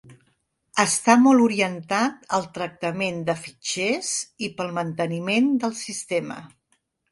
Està molt orientat al tractament de fitxers i pel manteniment del sistema.